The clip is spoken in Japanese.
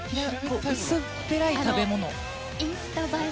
薄っぺらい食べ物。